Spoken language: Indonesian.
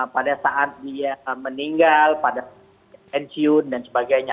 pada saat dia meninggal pada pensiun dan sebagainya